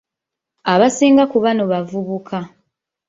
Abasinga ku bano bavubuka.